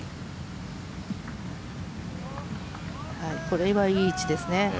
これはいい位置ですね。